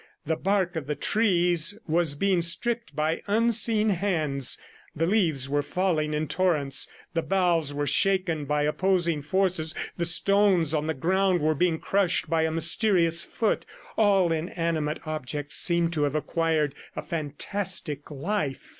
The bark of the trees was being stripped by unseen hands; the leaves were falling in torrents; the boughs were shaken by opposing forces, the stones on the ground were being crushed by a mysterious foot. All inanimate objects seemed to have acquired a fantastic life.